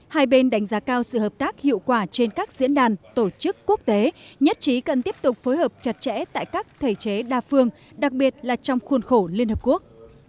hai bên đánh giá cao sự hợp tác hiệu quả trên các diễn đàn tổ chức quốc tế nhất trí cần tiếp tục phối hợp chặt chẽ tại các thể chế đa phương đặc biệt là trong khuôn khổ liên hợp quốc